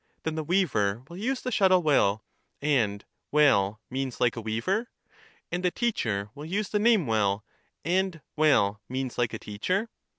Then the weaver will use the shuttle well — and well means like a weaver? and the teacher will use the name well — and well means like a teacher?